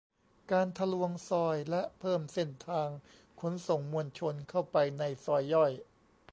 การทะลวงซอยและเพิ่มเส้นทางขนส่งมวลชน เข้าไปในซอยย่อย